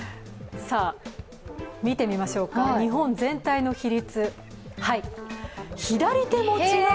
見てみましょうか、日本全体の比率。